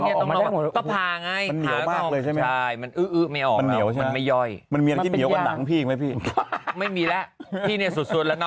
อ้าวของของมันเป็นยกมันมีอ้างพี่ไหมพี่ไม่มีแล้วพี่เนี๊ยนสุดครับ